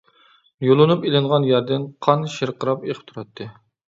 يۇلۇنۇپ ئېلىنغان يەردىن قان شىرقىراپ ئېقىپ تۇراتتى.